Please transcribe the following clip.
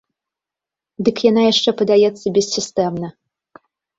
Дык яна яшчэ падаецца бессістэмна.